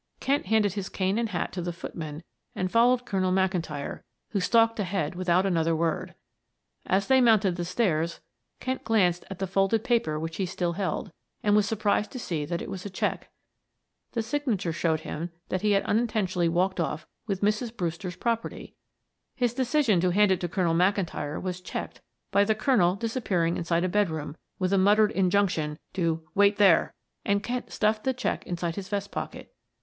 Kent handed his cane and hat to the footman and followed Colonel McIntyre, who stalked ahead without another word. As they mounted the stairs Kent glanced at the folded paper which he still held, and was surprised to see that it was a check. The signature showed him that he had unintentionally walked off with Mrs. Brewster's property. His decision to hand it to Colonel McIntyre was checked by the Colonel disappearing inside a bedroom, with a muttered injunction to "wait there," and Kent stuffed the check inside his vest pocket.